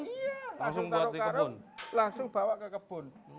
iya langsung taruh karung langsung bawa ke kebun